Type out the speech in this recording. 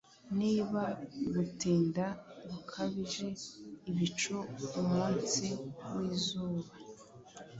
Niba gutinda gukabije Ibicu umunsi wizuba